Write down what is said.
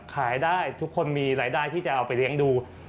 ขายได้ทุกคนมีรายได้ที่จะเอาไปเลี้ยงดู